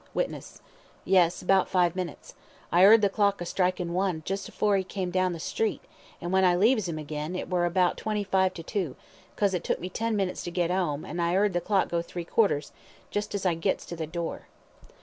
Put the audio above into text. WITNESS: Yes, 'bout five minutes I 'eard the clock a strikin' one just afore he came down the street, and when I leaves 'im agin, it were about twenty five to two, 'cause it took me ten minits to git 'ome, and I 'eard the clock go three quarters, jest as I gits to the door.